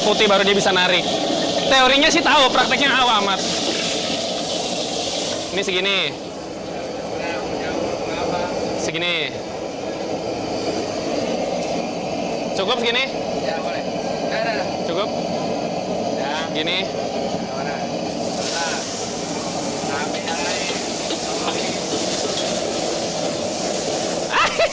kalau tekniknya ini dia harus sampai di dalam